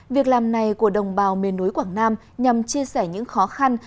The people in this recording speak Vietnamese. việc làm này của đồng bào miền núi quảng nam nhằm chia sẻ những khó khăn